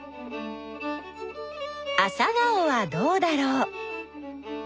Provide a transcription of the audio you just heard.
アサガオはどうだろう？